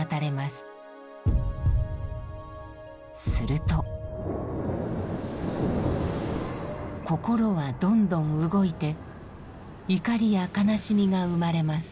すると心はどんどん動いて怒りや悲しみが生まれます。